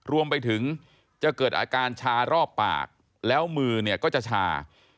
รวมไปถึงจะเกิดอาการชารอบปากแล้วมือเนี่ยก็จะชา